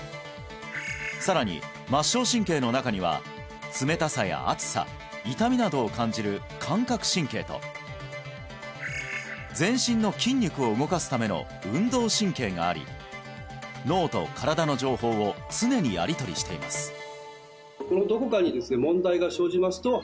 さらに末梢神経の中には冷たさや熱さ痛みなどを感じる感覚神経と全身の筋肉を動かすための運動神経があり脳と身体の情報を常にやり取りしていますさあ